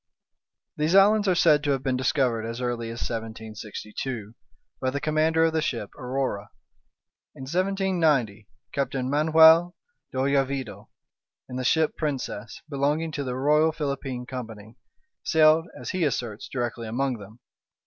These islands are said to have been discovered as early as 1762, by the commander of the ship Aurora. In 1790, Captain Manuel de Oyarvido, in the ship Princess, belonging to the Royal Philippine Company, sailed, as he asserts, directly among them.